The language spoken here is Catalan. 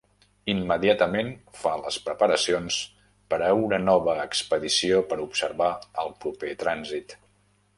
Immediatament fa les preparacions per a una nova expedició per observar el proper trànsit.